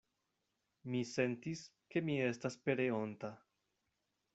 Mi sentis, ke mi estas pereonta.